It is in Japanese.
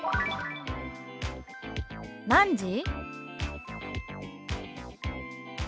「何時？」。